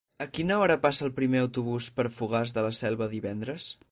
A quina hora passa el primer autobús per Fogars de la Selva divendres?